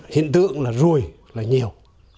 hiện tượng là ruồi là nhiều